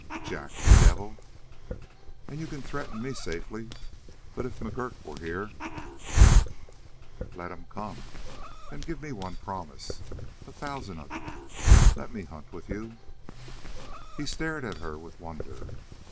"Jack, you devil " "Aye, you can threaten me safely. But if McGurk were here " "Let him come." "Then give me one promise." "A thousand of 'em." "Let me hunt him with you." He stared at her with wonder.